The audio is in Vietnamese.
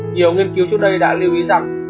nhiều nghiên cứu trước đây đã lưu ý rằng